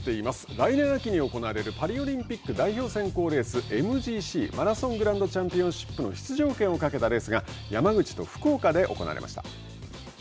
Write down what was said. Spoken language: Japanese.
来年秋に行われるパリオリンピック代表選考レースＭＧＣ＝マラソングランドチャンピオンシップの出場権をかけたレースが山口と福岡で行われました。